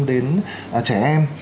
đến trẻ em